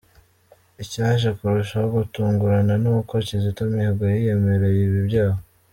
Icyaje kurushaho gutungurana, ni uko Kizito Mihigo yiyemereye ibi byaha.